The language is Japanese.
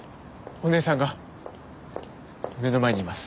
お姉さんが目の前にいます。